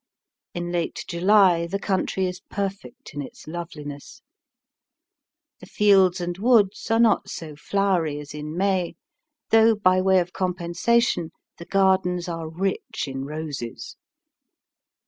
In late July the country is perfect in its loveliness. The fields and woods are not so flowery as in May, though by way of compensation the gardens are rich in roses.